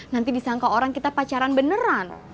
nanti disangka orang kita pacaran beneran